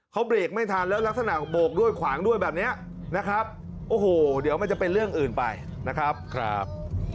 เขาเบรกไม่ทันแล้วลักษณะโบกด้วยขวางด้วยแบบนี้นะครับโอ้โหเดี๋ยวมันจะเป็นเรื่องอื่นไปนะครับ